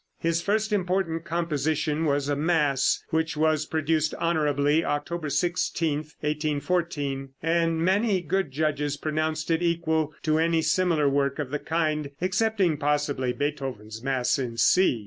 His first important composition was a mass, which was produced honorably October 16, 1814, and many good judges pronounced it equal to any similar work of the kind, excepting possibly Beethoven's mass in C.